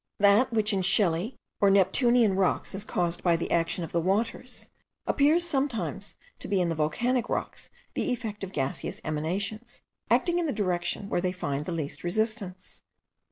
That which in shelly or Neptunean rocks is caused by the action of the waters, appears sometimes to be in the volcanic rocks the effect of gaseous emanations* acting in the direction where they find the least resistance.